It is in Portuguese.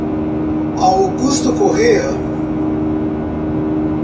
Augusto Corrêa